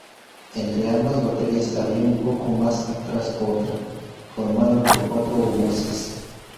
Entre ambas baterías había un poco más atrás otra, formada por cuatro obuses.